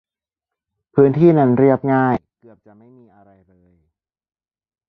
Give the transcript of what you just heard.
พื้นที่นั้นเรียบง่าย เกือบจะไม่มีอะไรเลย